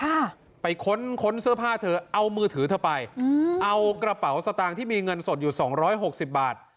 ค่ะไปค้นค้นเสื้อผ้าเธอเอามือถือเธอไปอืมเอากระเป๋าสตางค์ที่มีเงินสดอยู่สองร้อยหกสิบบาท